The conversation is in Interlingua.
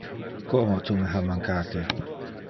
Como tu me ha mancate!